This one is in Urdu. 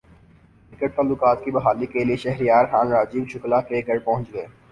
کرکٹ تعلقات کی بحالی کیلئے شہریار خان راجیو شکلا کے گھرپہنچ گئے